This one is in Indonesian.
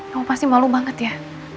kamu pasti malu banget ya